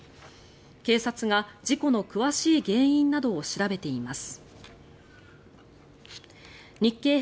警察が事故の詳しい原因などを調べています。